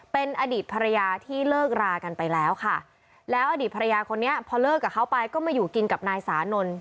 เป็นอดีตภรรยาที่เลิกรากันไปแล้วค่ะแล้วอดีตภรรยาคนนี้พอเลิกกับเขาไปก็มาอยู่กินกับนายสานนท์